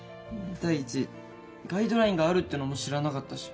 第一ガイドラインがあるってのも知らなかったし。